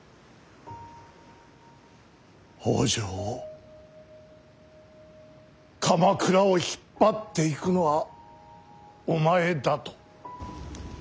北条を鎌倉を引っ張っていくのはお前だと。